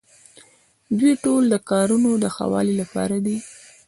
دوی ټول د کارونو د ښه والي لپاره دي.